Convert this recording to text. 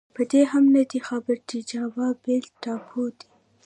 په دې هم نه دی خبر چې جاوا بېل ټاپو دی.